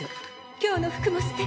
「今日の服もすてき！